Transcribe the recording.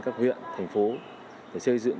các huyện thành phố để xây dựng